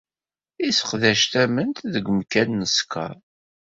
Yesseqdac tamemt deg umkan n uskeṛ.